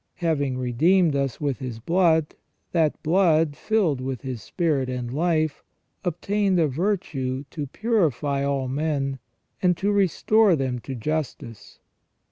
Having redeemed us with His blood, that blood, filled with His spirit and life, obtained a virtue to purify all men, and to restore them to justice.